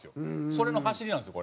それの走りなんですよ